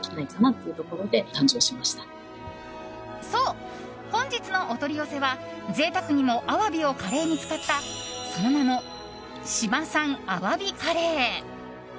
そう、本日のお取り寄せは贅沢にもアワビをカレーに使ったその名も、志摩産鮑カレー。